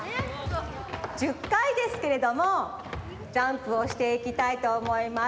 １０かいですけれどもジャンプをしていきたいとおもいます。